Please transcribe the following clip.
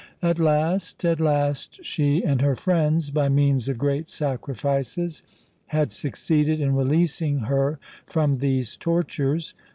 At last, at last, she and her friends, by means of great sacrifices, had succeeded in releasing her from these tortures.